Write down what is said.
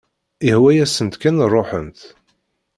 Ihwa-yasent kan ruḥent.